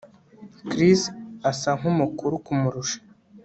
Chris asa nkumukuru kumurusha